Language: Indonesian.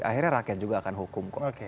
akhirnya rakyat juga akan hukum kok